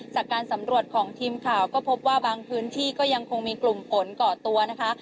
จากการสำรวจของทีมข่าวก็พบว่าบางพื้นที่ก็ยังคงมีกลุ่มฝนก่อตัวนะคะ